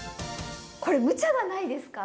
これむちゃじゃないですか？